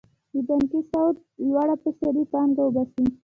د بانکي سود لوړه فیصدي پانګه وباسي.